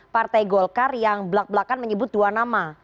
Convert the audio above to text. partai golkar yang belak belakan menyebut dua nama